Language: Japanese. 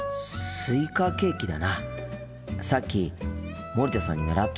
スイカケーキです。